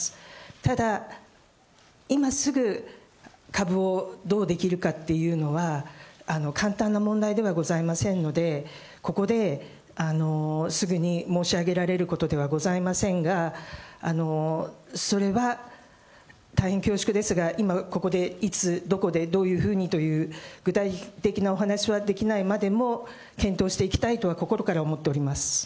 ただ、今すぐ株をどうできるかというのは、簡単な問題ではございませんので、ここですぐに申し上げられることではございませんが、それは大変恐縮ですが、今、ここでいつ、どこで、どういうふうにという、具体的なお話はできないまでも、検討していきたいとは心から思っております。